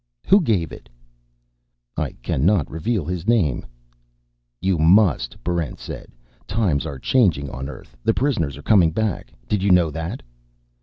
"Who gave it?" "I cannot reveal his name." "You must!" Barrent said. "Times are changing on Earth. The prisoners are coming back. Did you know that?"